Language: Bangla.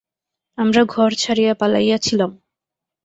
আমারা ঘর ছাড়িয়া পালাইয়াছিলাম।